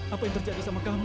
apa yang terjadi sama kami